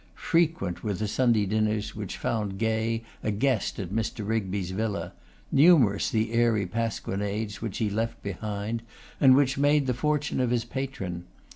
Frequent were the Sunday dinners which found Gay a guest at Mr. Rigby's villa; numerous the airy pasquinades which he left behind, and which made the fortune of his patron.